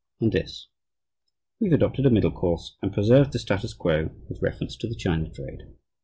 And this "We have adopted a middle course and preserved the status quo with reference to the China trade."